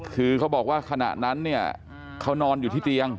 คือเขาบอกว่าขณะนั้นเนี่ยเขานอนอยู่ที่เตียง